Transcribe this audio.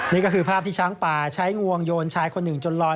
นี่ก็คือภาพที่ช้างป่าใช้งวงโยนชายคนหนึ่งจนลอย